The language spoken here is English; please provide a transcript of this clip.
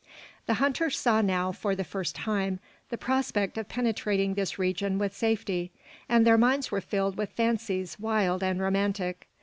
The hunters saw now, for the first time, the prospect of penetrating this region with safety, and their minds were filled with fancies wild and romantic.